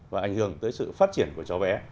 và ảnh hưởng tới sự phát triển của cháu bé